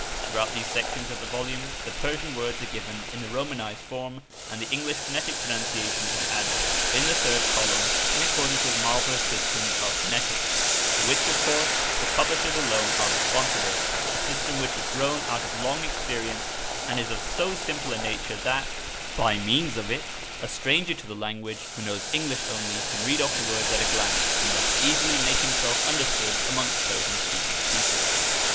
Throughout these sections of the volume the Persian words are given in the romanized form, and the English phonetic pronunciation is added (in the third column) in acccrdance with Marlborough's system of phonetics for which, of course, the Publishers alone are responsible a system which has grown out of long experience, and is of so simple a nature that, by means of it, a stranger to the language, who knows English only, can read off the words at a glance, and thus easily make himself understood amongst Persian speaking people.